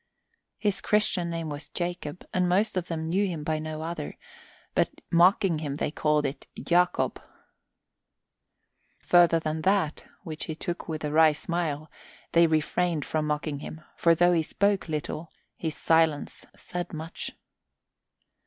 His Christian name was Jacob and most of them knew him by no other; but mocking him they called it "Yacob." Further than that, which he took with a wry smile, they refrained from mocking him, for though he spoke little, his silence said much.